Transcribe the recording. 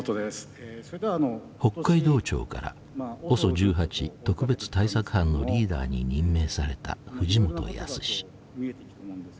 北海道庁からＯＳＯ１８特別対策班のリーダーに任命された藤本靖。